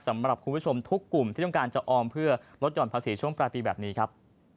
สำหรับคุณผู้ชมทุกกลุ่มที่ต้องการจะออมเพื่อลดหย่อนภาษีช่วงปลายปีแบบนี้ครับ